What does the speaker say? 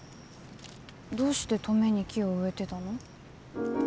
どうして登米に木を植えてたの？